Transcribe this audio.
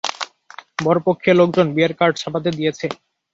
বরপক্ষীয় লোকজন বিয়ের কার্ড ছাপাতে দিয়েছে।